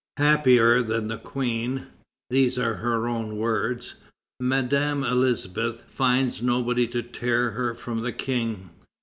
Happier than the Queen, these are her own words, Madame Elisabeth finds nobody to tear her from the King.